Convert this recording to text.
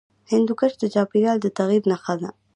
هندوکش د چاپېریال د تغیر نښه ده.